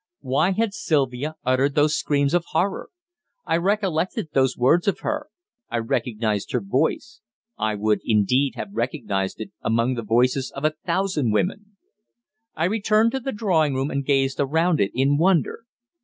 Why had Sylvia uttered those screams of horror? I recollected those words of hers. I recognized her voice. I would, indeed, have recognized it among the voices of a thousand women. I returned to the drawing room, and gazed around it in wonder.